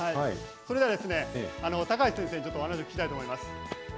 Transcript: それでは、高橋先生にちょっとお話聞きたいと思います。